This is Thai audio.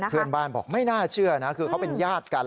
เพื่อนบ้านบอกไม่น่าเชื่อนะคือเขาเป็นญาติกัน